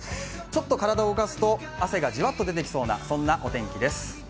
ちょっと体を動かすと汗がじわっと出てきそうなお天気です。